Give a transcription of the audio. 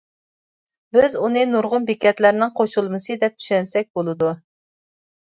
بىز ئۇنى نۇرغۇن بېكەتلەرنىڭ قوشۇلمىسى دەپ چۈشەنسەك بولىدۇ.